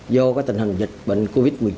do tình hình dịch bệnh covid một mươi chín